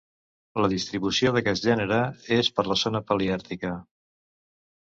La distribució d'aquest gènere és per la zona paleàrtica.